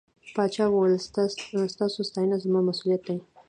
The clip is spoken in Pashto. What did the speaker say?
پاچا وويل: ستاسو ساتنه زما مسووليت دى.